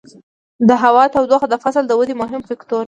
د هوا تودوخه د فصل د ودې مهم فکتور دی.